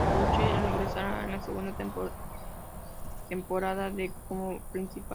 Russell regresará en la segunda temporada de como principal.